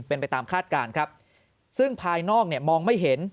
เป็นไปตามคาดการณ์ครับซึ่งภายนอกเนี่ยมองไม่เห็น